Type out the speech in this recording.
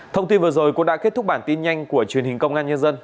thông tin vừa rồi cũng đã kết thúc bản tin nhanh của truyền hình công an nhân dân